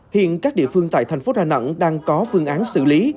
hiện các địa phương tại thành phố đà nẵng đang có phương án xử lý